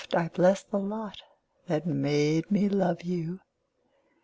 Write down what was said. I bless the lot that made me love you.